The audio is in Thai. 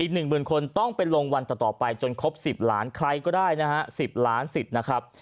อีกหนึ่งหมื่นคนต้องไปรองวันต่อไปจนครบสิบล้านคล้ายก็ได้หน่าฮะสิบล้านสิทธิ์นะครับ